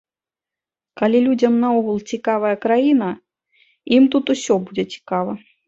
Калі людзям наогул цікавая краіна, ім тут усё будзе цікава.